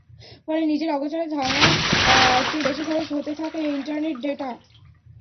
ফলে নিজের অগোচরে ধারণার চেয়ে বেশি খরচ হতে থাকে ইন্টারনেট ডেটা।